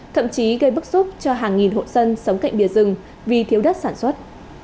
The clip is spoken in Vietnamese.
thậm chí gây bức xúc cho hàng nghìn hộ sân sống cạnh biển rừng vì thiếu đất sản xuất